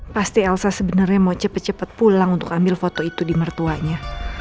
pasti elsa sebenernya mau cepet cepet pulang untuk ambil foto itu di mertuanya